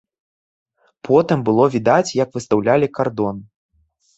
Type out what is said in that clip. Потым было відаць, як выстаўлялі кардон.